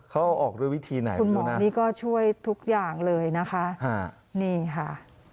เขาออกด้วยวิธีไหนคุณหมอนี่ก็ช่วยทุกอย่างเลยนะคะนี่ค่ะ